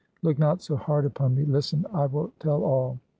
Look not so hard upon me. Listen. I will tell all.